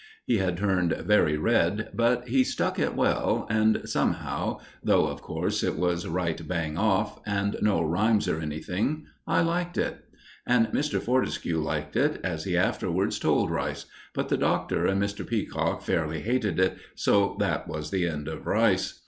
He had turned very red, but he stuck it well, and somehow, though, of course, it was right bang off, and no rhymes or anything, I liked it. And Mr. Fortescue liked it, as he afterwards told Rice; but the Doctor and Mr. Peacock fairly hated it, so that was the end of Rice.